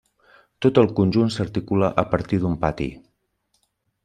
Tot el conjunt s'articula a partir d'un pati.